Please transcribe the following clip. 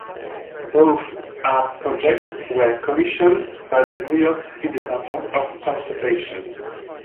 Both art projects were commissioned by the New York City Department of Transportation.